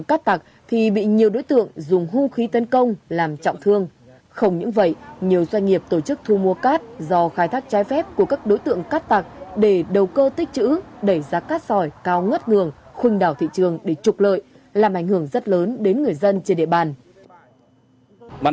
các tạc thì bị nhiều đối tượng dùng hung khí tấn công làm trọng thương không những vậy nhiều doanh nghiệp tổ chức thu mua cắt do khai thác trái phép của các đối tượng cắt tạc để đầu cơ tích chữ đẩy ra cắt sòi cao ngất ngường khuynh đảo thị trường để trục lợi làm ảnh hưởng rất lớn đến người dân trên địa bàn